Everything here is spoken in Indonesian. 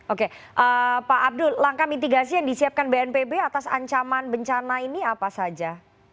oke pak abdul langkah mitigasi yang disiapkan bnpb atas ancaman bencana ini apa saja